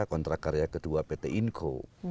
kontrak karya kedua pt inco